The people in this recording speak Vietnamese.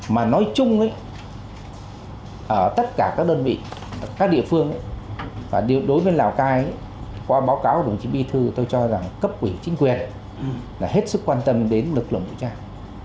mà nói chung ở tất cả các đơn vị các địa phương và đối với lào cai qua báo cáo của đồng chí bi thư tôi cho rằng cấp quỷ chính quyền là hết sức quan tâm đến lực lượng vũ trang